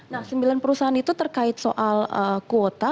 nah sembilan perusahaan itu terkait soal kuota